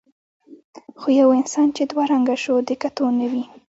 خو یو انسان چې دوه رنګه شو د کتو نه وي.